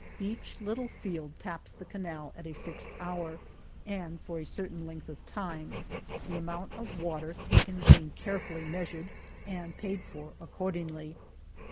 Each little field taps the canal at a fixed hour and for a certain length of time, the amount of water taken being carefully measured and paid for accordingly.